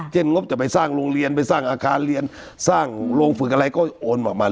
งบจะไปสร้างโรงเรียนไปสร้างอาคารเรียนสร้างโรงฝึกอะไรก็โอนออกมา